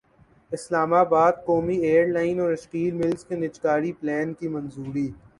اسلام باد قومی ایئرلائن اور اسٹیل ملزکے نجکاری پلان کی منظوری